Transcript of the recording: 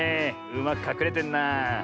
うまくかくれてんなあ。